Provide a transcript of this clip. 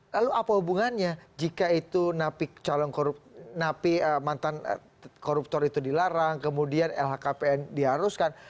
lalu apa hubungannya jika itu calon napi mantan koruptor itu dilarang kemudian lhkpn diharuskan